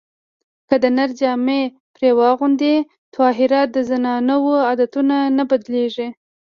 که د نر جامې پرې واغوندې طاهره د زنانو عادتونه نه بدلېږي